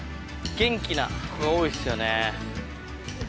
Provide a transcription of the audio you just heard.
元気な子が多いっすよね。